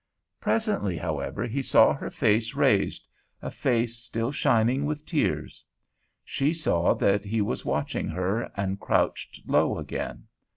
Presently, however, he saw her face raised—a face still shining with tears. She saw that he was watching her, and crouched low again.